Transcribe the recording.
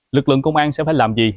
lực lượng công an sẽ phải làm gì